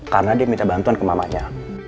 karena dia minta bantuan ke mamanya